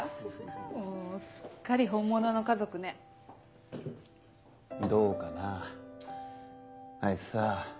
もうすっかり本物の家族ねどうかなぁあいつさ